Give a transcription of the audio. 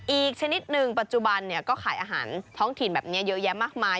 อีกชนิดหนึ่งปัจจุบันก็ขายอาหารท้องถิ่นแบบนี้เยอะแยะมากมาย